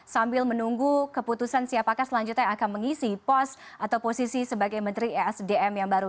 sambil menunggu keputusan siapakah selanjutnya yang akan mengisi pos atau posisi sebagai menteri esdm yang baru